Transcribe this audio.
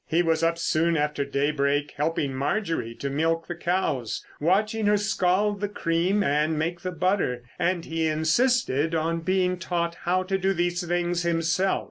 He was up soon after daybreak helping Marjorie to milk the cows; watching her scald the cream and make the butter, and he insisted on being taught how to do these things himself.